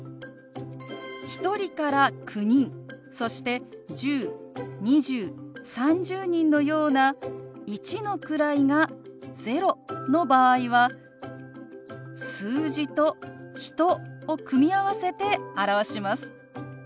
１人から９人そして１０２０３０人のような一の位が０の場合は「数字」と「人」を組み合わせて表します。